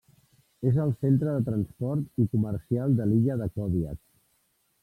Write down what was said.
És el centre de transport i comercial de l'illa de Kodiak.